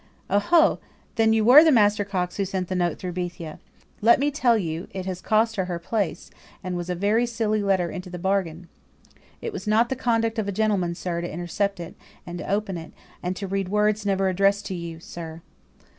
"Oh, ho! Then you were the Master Coxe who sent the note through Bethia! Let me tell you it has cost her her place, and was a very silly letter into the bargain." "It was not the conduct of a gentleman, sir, to intercept it, and to open it, and to read words never addressed to you, sir."